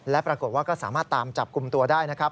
และปรากฏว่าก็สามารถตามจับกลุ่มตัวได้นะครับ